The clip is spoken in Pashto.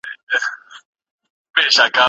د خزان پر لمن پروت یم له بهار سره مي ژوند دی